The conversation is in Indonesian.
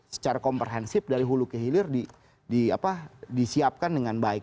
secara komprehensif dari hulu ke hilir disiapkan dengan baik